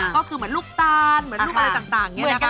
ก็คือเหมือนลูกตาลเหมือนลูกอะไรต่างอย่างนี้นะคะ